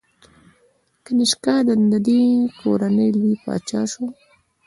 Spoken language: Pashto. کنیشکا د دې کورنۍ لوی پاچا شو